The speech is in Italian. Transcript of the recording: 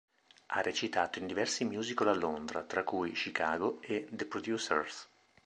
Ha recitato in diversi musical a Londra, tra cui "Chicago" e "The Producers".